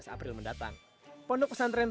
tujuh belas april mendatang pondok pesantren